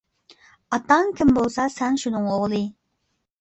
ئاتاڭ كىم بولسا، سەن شۇنىڭ ئوغلى.